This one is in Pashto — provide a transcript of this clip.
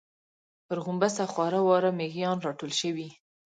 پر غومبسه خواره واره مېږيان راټول شول.